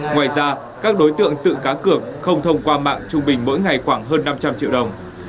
ngoài ra các đối tượng tự cá cược không thông qua mạng trung bình mỗi ngày khoảng hơn năm trăm linh triệu đồng